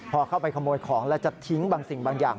พอเข้าไปขโมยของแล้วจะทิ้งบางสิ่งบางอย่าง